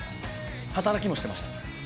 働きもしていました。